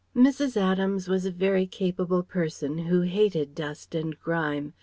Mrs. Adams was a very capable person who hated dust and grime.